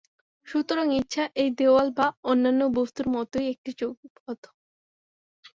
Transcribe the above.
সুতরাং ইচ্ছা এই দেওয়াল বা অন্যান্য বস্তুর মতই একটি যৌগিক পদার্থ।